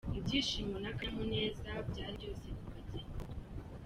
Ibyishimo n'akanyamuneza byari byose ku bageni.